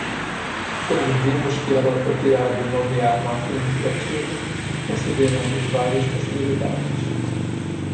Quando vimos que era apropriado nomear nossa iniciativa, consideramos várias possibilidades.